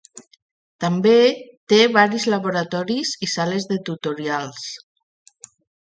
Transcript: També té varis laboratoris i sales de tutorials.